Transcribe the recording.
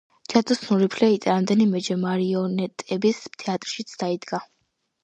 ჯადოსნური ფლეიტა რამდენიმეჯერ მარიონეტების თეატრშიც დაიდგა.